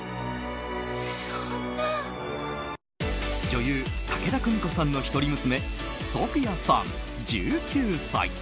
女優・武田久美子さんの一人娘ソフィアさん、１９歳。